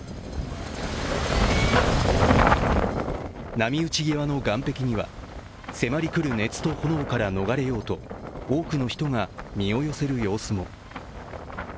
波打ち際の岸壁には、迫り来る熱と炎から逃れようと、多くの人が身を寄せる様子も。